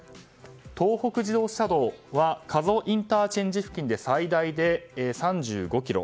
東北自動車道は加須ＩＣ付近で最大で３５ｋｍ。